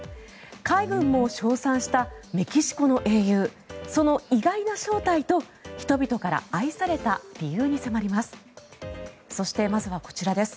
海軍も称賛したメキシコの英雄その意外な正体と人々から愛された理由に迫ります。